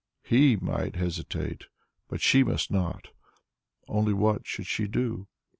He might hesitate, but she must not! Only what should she do?